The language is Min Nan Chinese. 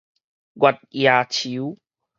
月夜愁